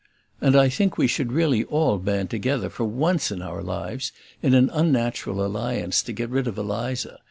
And I think we should really all band together, for once in our lives, in an unnatural alliance to get rid of Eliza.